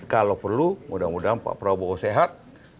kalau perlu mudah mudahan pak prabowo sehat